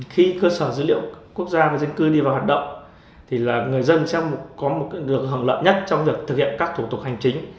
khi cơ sở dữ liệu quốc gia về dân cư đi vào hoạt động thì là người dân sẽ có một được hưởng lợi nhất trong việc thực hiện các thủ tục hành chính